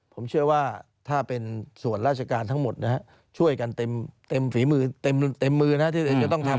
ผมเชื่อว่าถ้าเป็นส่วนราชการทั้งหมดนะฮะช่วยกันเต็มฝีมือเต็มมือนะที่จะต้องทำ